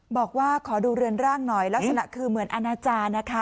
บอกว่าขอดูเรือนร่างหน่อยลักษณะคือเหมือนอาณาจารย์นะคะ